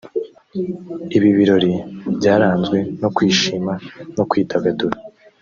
Ibi birori byaranzwe no kwishima no kwidagadura